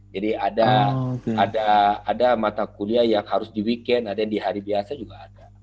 jadi ada mata kuliah yang harus di weekend ada yang di hari biasa juga ada